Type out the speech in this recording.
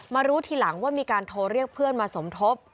รู้ทีหลังว่ามีการโทรเรียกเพื่อนมาสมทบ